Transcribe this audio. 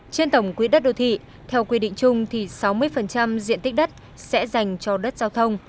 trên tổng quỹ đất đô thị theo quy định chung thì sáu mươi diện tích đất sẽ dành cho đất giao thông